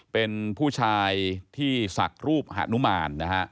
เป็นผู้ชายที่สัดรูปหานุมาร